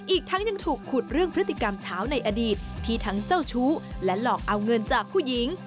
อีกทั้งยังถูกขุดเรื่องพฤติกรรมเช้าในอดีตที่ทั้งเจ้าชู้และหลอกเอาเงินจากผู้หญิง